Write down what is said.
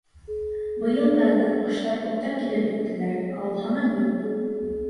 Быйыл да, ана, ҡоштар күптән килеп бөттөләр, ә ул һаман юҡ.